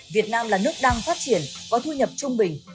việt nam là nước đang phát triển có thu nhập trung bình